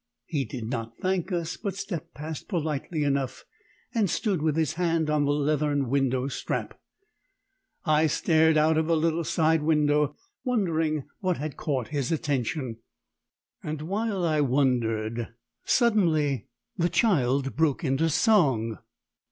He did not thank us, but stepped past politely enough and stood with his hand on the leathern window strap. I stared out of the little side window, wondering what had caught his attention. And while I wondered, suddenly the child broke into song!